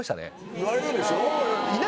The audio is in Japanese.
言われるでしょ？